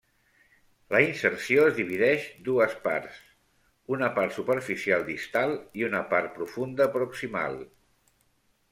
La inserció es divideix dues parts: una part superficial distal i una part profunda proximal.